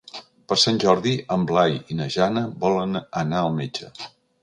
Per Sant Jordi en Blai i na Jana volen anar al metge.